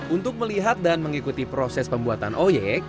untuk melihat dan mengikuti proses pembuatan oyek